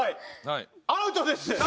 アウトです！